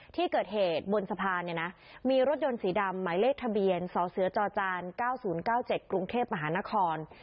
ที่เกิดเหตุบนสะพานเนี่ยนะมีรถยนต์สีดำหมายเลขทะเบียนสเสจ๙๐๙๗กรุงเทพมหานคร